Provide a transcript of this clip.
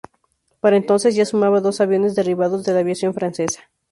Para entonces ya sumaba dos aviones derribados de la aviación francesa.